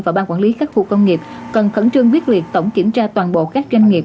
và ban quản lý các khu công nghiệp cần khẩn trương quyết liệt tổng kiểm tra toàn bộ các doanh nghiệp